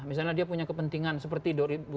misalnya dia punya kepentingan seperti